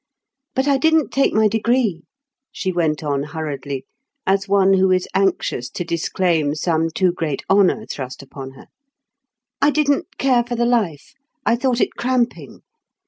"But I didn't take my degree," she went on hurriedly, as one who is anxious to disclaim some too great honour thrust upon her. "I didn't care for the life; I thought it cramping.